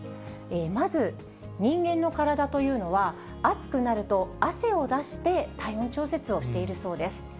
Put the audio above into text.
まず人間の体というのは、暑くなると汗を出して体温調節をしているそうです。